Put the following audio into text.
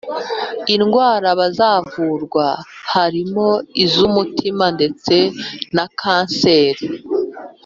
Indwara bazavurwa harimo iz’umutima ndetse na Kanseri